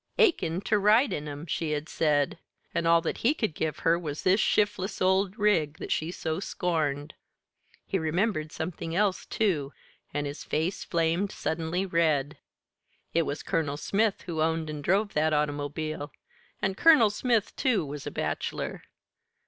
"Achin' ter ride in 'em," she had said and all that he could give her was this "shiftless old rig" that she so scorned. He remembered something else, too, and his face flamed suddenly red. It was Colonel Smith who owned and drove that automobile, and Colonel Smith, too, was a bachelor.